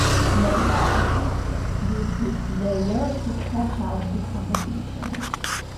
Many artists use this layer to sketch out the composition.